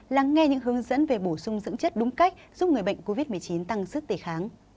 lắng nghe những hướng dẫn về bổ sung dưỡng chất đúng cách giúp người bệnh covid một mươi chín tăng sức đề kháng